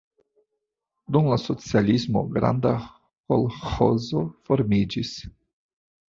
Dum la socialismo granda kolĥozo formiĝis.